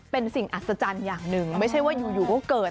เป็นสิ่งอัศจรรย์อย่างหนึ่งไม่ใช่ว่าอยู่ก็เกิด